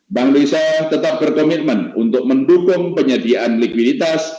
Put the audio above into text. bank desa tetap berkomitmen untuk mendukung penyediaan likuiditas